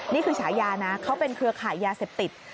ฉายานะเขาเป็นเครือขายยาเสพติด